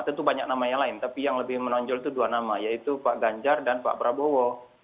tentu banyak nama yang lain tapi yang lebih menonjol itu dua nama yaitu pak ganjar dan pak prabowo